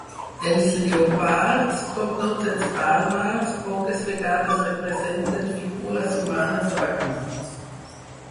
Els llombards, com tots els bàrbars, poques vegades representen figures humanes o animals.